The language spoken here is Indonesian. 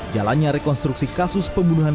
jalannya rekonstruksi kasus pembunuhan